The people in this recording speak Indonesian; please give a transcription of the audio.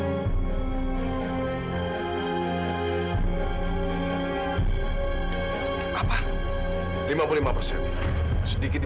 dan jika kalian serius